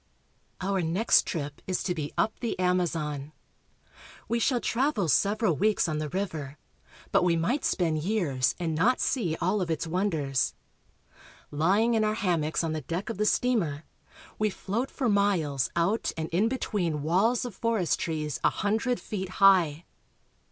OUR next trip is to be up the Amazon. We shall travel several weeks on the river, but we might spend years and not see all of its wonders. Lying in our ham mocks on the deck of the steamer, we float for miles out TRIP ON THE AMAZON. 32 1 and in between walls of forest trees a hundred feet high.